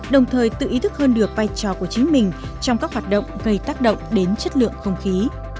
đồng thời tự ý thức hơn được vai trò của chính mình trong các hoạt động gây tác động đến chất lượng không khí